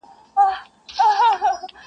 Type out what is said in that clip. او ډېر فکر کوي هره ورځ.